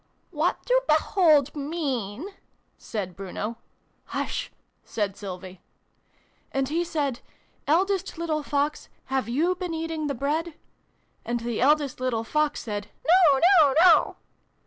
("What do 'behold' mean?" said Bruno. "Hush!" said Sylvie.) "And he said ' Eldest little Fox, have you been eating the Bread ?' And the eldest little Fox said ' No no no